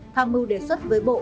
tham mưu đề xuất với bộ